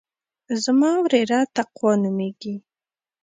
زما وريره تقوا نوميږي.